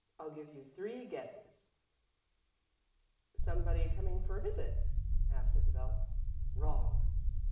"I'll give you three guesses!" "Somebody coming for a visit?" asked Isabel. "Wrong!"